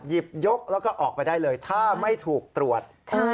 หยิบยกแล้วก็ออกไปได้เลยถ้าไม่ถูกตรวจ